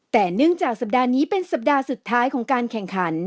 แต่เนื่องจากสัปดาห์นี้เป็นสัปดาห์สุดท้ายของการแข่งขัน